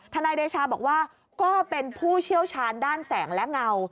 นายเดชาบอกว่าก็เป็นผู้เชี่ยวชาญด้านแสงและเงา